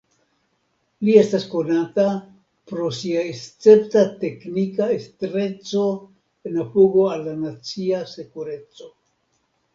Li estas konata pro sia escepta teknika estreco en apogo al la nacia sekureco.